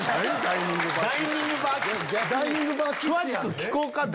詳しく聞こうか。